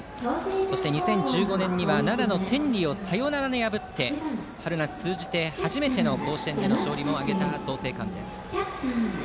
そして２０１５年に奈良の天理をサヨナラで破って春夏通じて、初めての甲子園での勝利を挙げた創成館です。